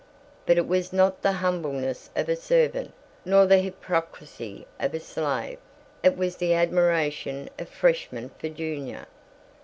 But it was not the humbleness of a servant, nor the hypocrisy of a slave; it was the admiration of Freshman for Junior.